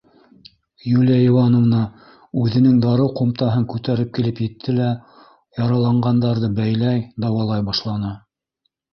Юлия Ивановна үҙенең дарыу ҡумтаһын күтәреп килеп етте лә яраланғандарҙы бәйләй, дауалай башланы.